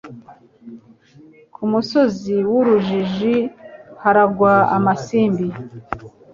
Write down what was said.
ku musozi w’urwijiji haragwa amasimbi»